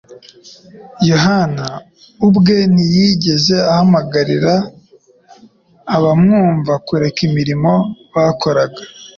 Yohana ubwe ntiyigeze ahamagarira abamwumva kureka imirimo bakoraga.